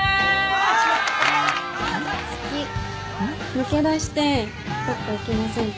抜け出してどっか行きませんか？